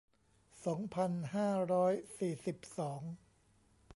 สองพันห้าร้อยสี่สิบสอง